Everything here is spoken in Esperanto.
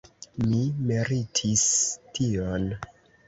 Mi meritis tion!